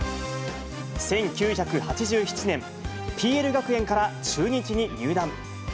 １９８７年、ＰＬ学園から中日に入団。